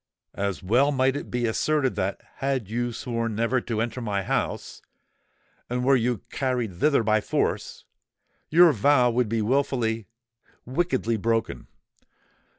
"As well might it be asserted that, had you sworn never to enter my house, and were you carried thither by force, your vow would be wilfully—wickedly broken.